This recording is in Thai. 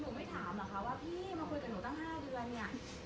ไม่ถามเหรอคะว่าพี่มาคุยกับหนูตั้ง๕เดือนเนี่ย